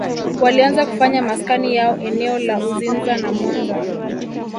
Walianza kufanya maskani yao eneo la Uzinza na Mwanza